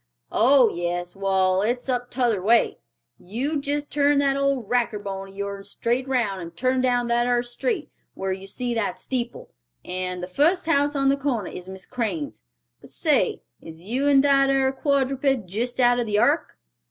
"Oh, yes; wall, it's up t'other way. You jist turn that old rackerbone of your'n straight round and turn down that ar street, whar you see that steeple, and, the fust house on the corner is Miss Crane's. But say, is you and that ar quadruped jist out of the ark?"